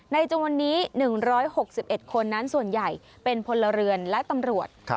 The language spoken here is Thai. จำนวนนี้๑๖๑คนนั้นส่วนใหญ่เป็นพลเรือนและตำรวจ